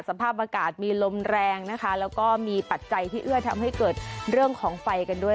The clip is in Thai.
สภาพอากาศมีลมแรงนะคะแล้วก็มีปัจจัยที่เอื้อทำให้เกิดเรื่องของไฟกันด้วย